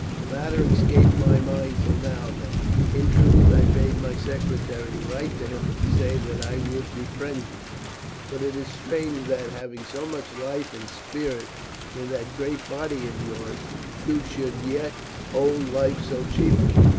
The matter escaped my mind till now, though, in truth, I bade my secretary write to him to say that I would befriend you. But it is strange that, having so much life and spirit in that great body of yours, you should yet hold life so cheaply.